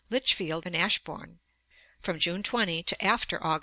Lichfield and Ashbourn, from June 20 to after Aug.